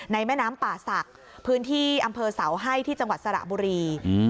แม่น้ำป่าศักดิ์พื้นที่อำเภอเสาให้ที่จังหวัดสระบุรี